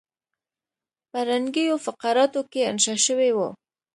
په رنګینو فقراتو کې انشا شوی وو.